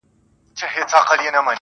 راځي سبا.